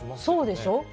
そうでしょ？